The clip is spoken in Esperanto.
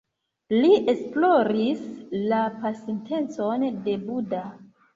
Li esploris la pasintecon de Buda.